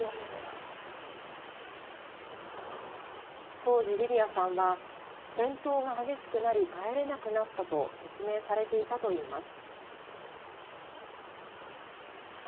当時リリアさんは戦闘が激しくなり帰れなくなったと説明されていたと言います。